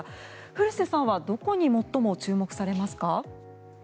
古瀬さんはどこに最も注目されますか？